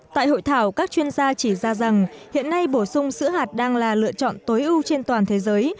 tại hội thảo các chuyên gia chỉ ra rằng hiện nay bổ sung sữa hạt đang là lựa chọn tối ưu trên toàn thế giới